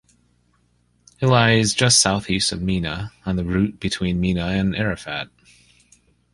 It lies just southeast of Mina, on the route between Mina and Arafat.